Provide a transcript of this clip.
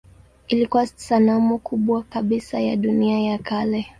Ilikuwa sanamu kubwa kabisa ya dunia ya kale.